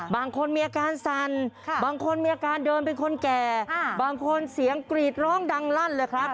บางคนมีอาการสั่นบางคนมีอาการเดินเป็นคนแก่บางคนเสียงกรีดร้องดังลั่นเลยครับ